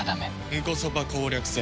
ンコソパ攻略戦。